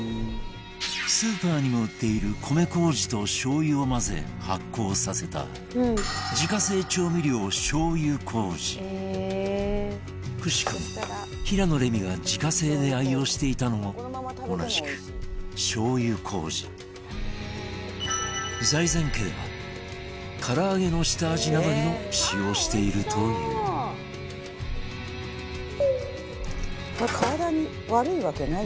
スーパーにも売っている米麹としょう油を混ぜ、発酵させた自家製調味料、しょう油麹くしくも、平野レミが自家製で愛用していたのも同じく、しょう油麹財前家では唐揚げの下味などにも使用しているという財前：体に悪いわけない。